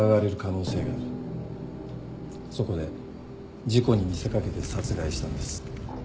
そこで事故に見せ掛けて殺害したんです。